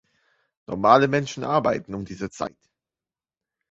Normale Menschen arbeiten um diese Zeit.